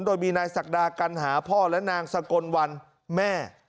โดยมีนายศักดากันหาพ่อและนางสกลวันแม่